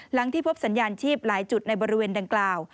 ที่พบสัญญาณชีพหลายจุดในบริเวณดังกล่าว